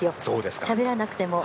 しゃべらなくても。